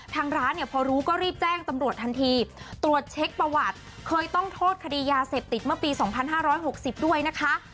ทางร้านเนี่ยพอรู้ก็รีบแจ้งตำรวจทันทีตรวจเช็คประวัติเคยต้องโทษคดียาเสพติดเมื่อปี๒๕๖๐ด้วยนะคะ